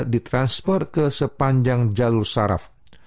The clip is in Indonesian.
ditransfer ke sepanjang jalur saraf